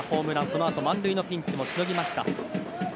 そのあと満塁のピンチもしのぎました。